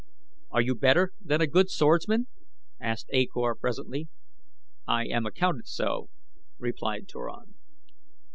"Are you better than a good swordsman?" asked A Kor presently. "I am accounted so," replied Turan.